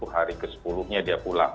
hari ke sepuluh nya dia pulang